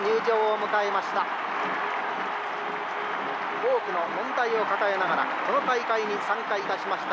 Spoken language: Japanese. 多くの問題を抱えながらこの大会に参加致しました